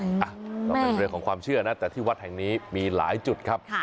ก็เป็นเรื่องของความเชื่อนะแต่ที่วัดแห่งนี้มีหลายจุดครับ